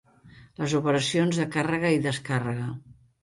Les operacions de càrrega i descàrrega.